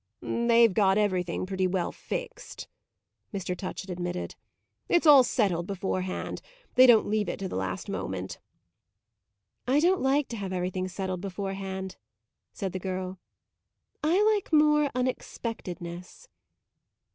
"They've got everything pretty well fixed," Mr. Touchett admitted. "It's all settled beforehand they don't leave it to the last moment." "I don't like to have everything settled beforehand," said the girl. "I like more unexpectedness."